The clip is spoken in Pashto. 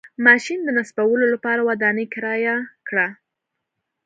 ماشین د نصبولو لپاره ودانۍ کرایه کړه.